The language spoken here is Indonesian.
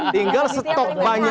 tinggal stok banyak